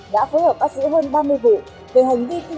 đã phối hợp bắt giữ hơn ba mươi vụ